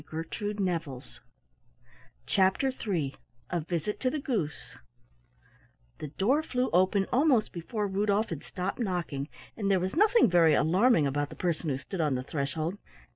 CHAPTER III A VISIT TO THE GOOSE The door flew open almost before Rudolf had stopped knocking, but there was nothing very alarming about the person who stood on the threshold.